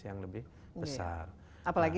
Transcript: yang lebih besar apalagi